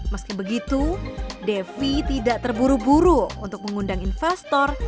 meski begitu devi tidak terburu buru untuk mengundang investor